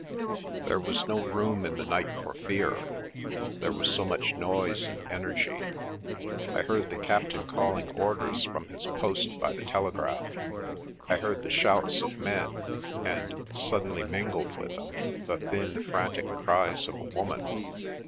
There was no room in the night for fear — there was so much noise and energy. I heard the captain calling orders from his post by the telegraph, I heard the shouts of men, and, suddenly mingled with them, the thin, frantic cries of a woman.